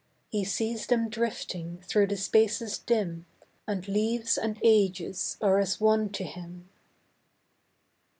He sees them drifting through the spaces dim, And leaves and ages are as one to Him.